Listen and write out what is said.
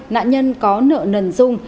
nạn nhân có nợ nần dung